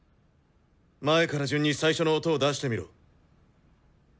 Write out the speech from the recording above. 前から順に最初の音を出してみろ。